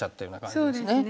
そうですね。